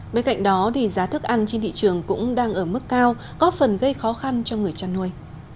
bên cạnh đó giá thức ăn trên thị trường cũng đang ở mức cao góp phần gây khó khăn cho người chăn nuôi